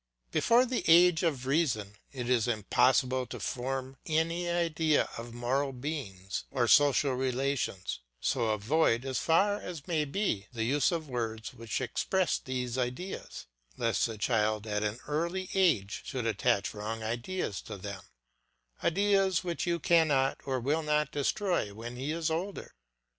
Before the age of reason it is impossible to form any idea of moral beings or social relations; so avoid, as far as may be, the use of words which express these ideas, lest the child at an early age should attach wrong ideas to them, ideas which you cannot or will not destroy when he is older.